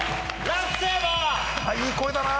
いい声だな。